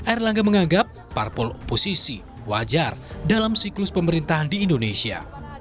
erlangga menganggap parpol oposisi wajar dalam siklus pemerintahan di indonesia